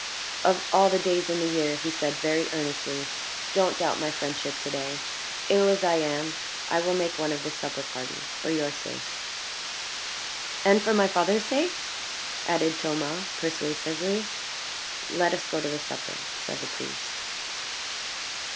"Of all the days in the year," he said, very earnestly, "don't doubt my friendship to day. Ill as I am, I will make one of the supper party, for your sake " "And for my father's sake?" added Thomas, persuasively. "Let us go to the supper," said the priest.